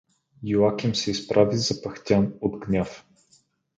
Иоаким се изправи запъхтян от гняв.